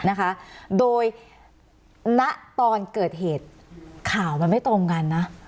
นะคะโดยณตอนเกิดเหตุข่าวมันไม่ตรงกันนะ